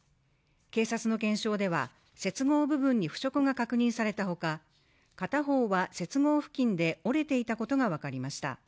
警察の検証では接合部分に腐食が確認された他、片方は接合付近で折れていたことが分かりました。